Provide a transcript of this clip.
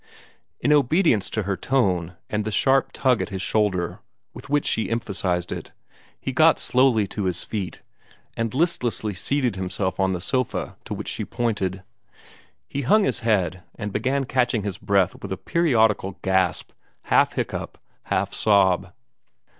In obedience to her tone, and the sharp tug at his shoulder with which she emphasized it, he got slowly to his feet, and listlessly seated himself on the sofa to which she pointed. He hung his head, and began catching his breath with a periodical gasp, half hiccough, half sob.